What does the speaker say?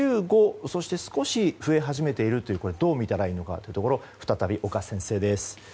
そして少し増え始めているということをどうみたらいいのかについて再び岡先生です。